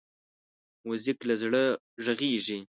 موزیک له زړه غږېږي.